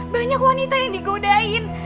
banyak wanita yang digodain